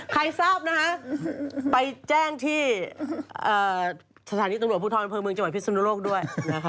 ใครทราบนะฮะไปแจ้งที่สถานีตำรวจภูมิทรรณ์เมืองอำเภอพิศนุโลกด้วย